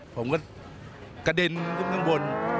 ผมก็กระเด็นขึ้นข้างบน